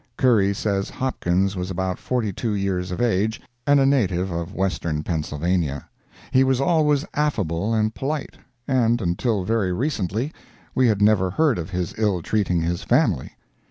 Curry says Hopkins was about forty two years of age, and a native of Western Pennsylvania; he was always affable and polite, and until very recently we had never heard of his ill treating his family.